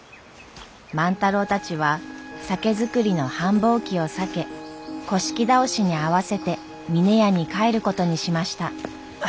万太郎たちは酒造りの繁忙期を避け倒しに合わせて峰屋に帰ることにしました。